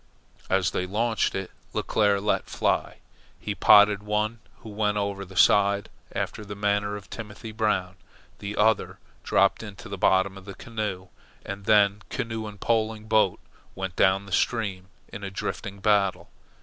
As they launched it, Leclere let fly. He potted one, who went over the side after the manner of Timothy Brown. The other dropped into the bottom of the canoe, and then canoe and poling boat went down the stream in a drifting battle.